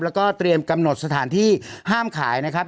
แล้วก็เตรียมกำหนดสถานที่ห้ามขายนะครับ